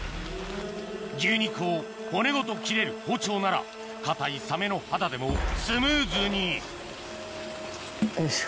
牛肉を骨ごと切れる包丁なら硬いサメの肌でもスムーズによいしょ。